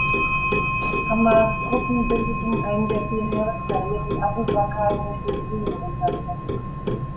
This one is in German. ʿAmrs Truppen bildeten einen der vier Heeresteile, die Abū Bakr in Richtung Syrien entsandte.